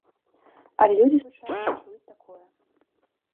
Але людзі звычайна чуюць такое.